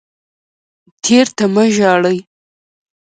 تیر ته مه ژاړئ